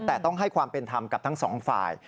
แต่ต้องให้ความเป็นธรรมกับทั้งสองฝ่าย